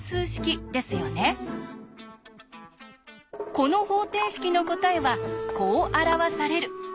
この方程式の答えはこう表される！